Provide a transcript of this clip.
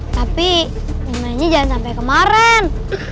tapi mainnya jangan sampe kemaren